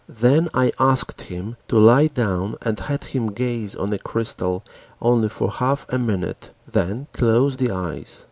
Then I asked him to lie down and had him gaze on a crystal only for half a minute, then close the eyes.